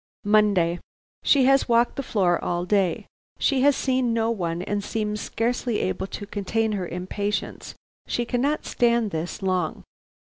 "Monday. "She has walked the floor all day. She has seen no one, and seems scarcely able to contain her impatience. She cannot stand this long.